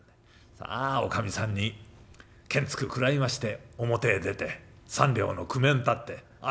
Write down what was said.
さあおかみさんにけんつく食らいまして表へ出て三両の工面たって当てがあるわけじゃありません。